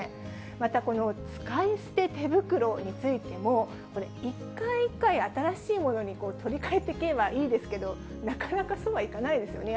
また、この使い捨て手袋についても、これ、一回一回新しいものに取り替えていけばいいですけど、なかなかそうはいかないですよね。